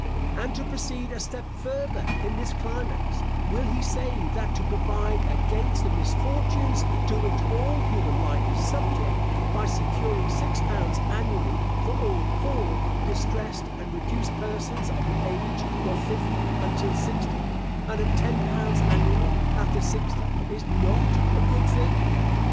And, to proceed a step further in this climax, will he say that to provide against the misfortunes to which all human life is subject, by securing six pounds annually for all poor, distressed, and reduced persons of the age of fifty and until sixty, and of ten pounds annually after sixty, is not a good thing?